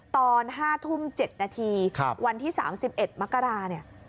ตอน๕ทุ่ม๗นาทีวันที่๓๑มักรา